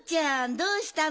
どうしたの？